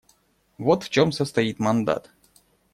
Вот в чем состоит мандат.